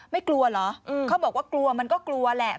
ไม่กลัวเหรอเขาบอกว่ากลัวมันก็กลัวแหละ